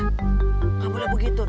nggak boleh begitu